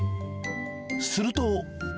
すると。